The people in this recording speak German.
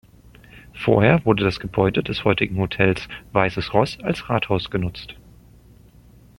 Vorher wurde das Gebäude des heutigen Hotels „Weißes Roß“ als Rathaus genutzt.